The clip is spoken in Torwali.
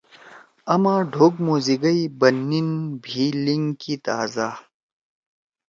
آمہ ڈھوگ موزیگئی بن نین بھی لِنگ کی تآزہ